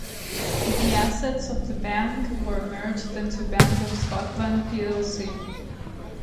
The assets of the bank were merged into Bank of Scotland plc.